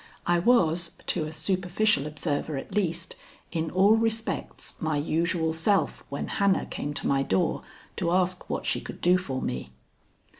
I was, to a superficial observer at least, in all respects my usual self when Hannah came to my door to ask what she could do for me.